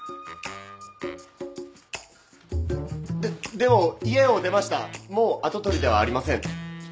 でも家を出ましたもう跡取りではありません。